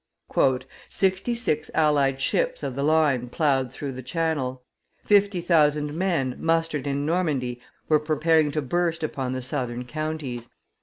"Sixty six allied ships of the line ploughed the Channel, fifty thousand men, mustered in Normandy, were preparing to burst upon the southern counties.